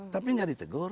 tapi tidak ditegur